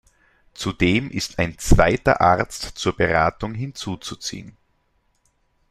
Zudem ist ein zweiter Arzt zur Beratung hinzuzuziehen.